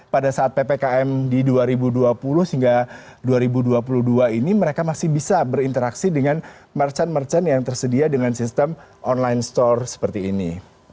pada saat ppkm di dua ribu dua puluh hingga dua ribu dua puluh dua ini mereka masih bisa berinteraksi dengan merchant merchant yang tersedia dengan sistem online store seperti ini